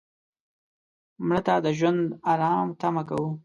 مړه ته د ژوند آرام تمه کوو